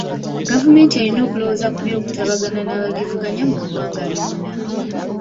Gavumenti erina okulowooza ku by'okutabagana n'abagivuganya mu ggwanga lyonna.